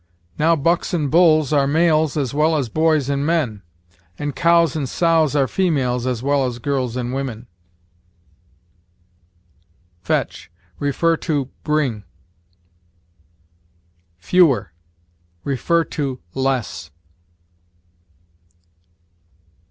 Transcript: Now bucks and bulls are males as well as boys and men, and cows and sows are females as well as girls and women. FETCH. See BRING. FEWER. See LESS.